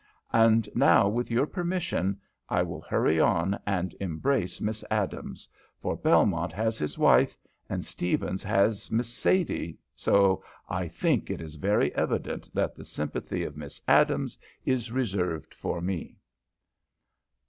And now, with your permission, I will hurry on and embrace Miss Adams, for Belmont has his wife, and Stephens has Miss Sadie, so I think it is very evident that the sympathy of Miss Adams is reserved for me."